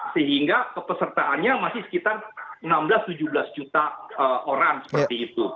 sehingga kepesertaannya masih sekitar enam belas tujuh belas juta orang seperti itu